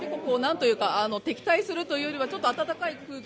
敵対するというよりはちょっと温かい空気？